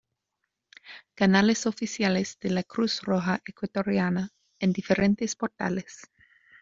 Canales oficiales de la Cruz Roja Ecuatoriana en diferentes portales